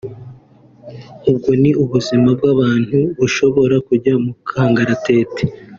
ubwo ni ubuzima bw’abantu bushobora kujya mu kangaratete